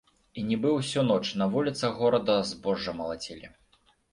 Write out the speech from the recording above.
І нібы ўсю ноч на вуліцах горада збожжа малацілі.